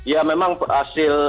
ya memang hasil